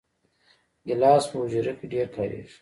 ګیلاس په حجره کې ډېر کارېږي.